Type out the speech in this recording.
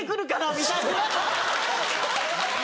みたいな。